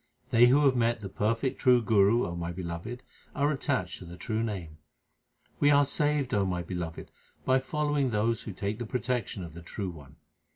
They who have met the perfect true Guru, O my Beloved, are attached to the true Name. We are saved, O my Beloved, by following those who take the protection of the True One.